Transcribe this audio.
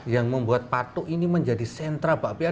yang membuat patuk ini menjadi sentra bakpia